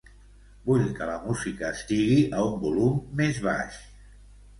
Vull que la música estigui a un volum més baix.